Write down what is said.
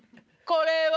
「これは」。